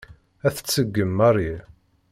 Ad t-tṣeggem Mary.